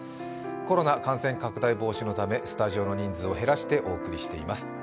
コロナ感染拡大防止のためスタジオの人数を減らしてお送りしています。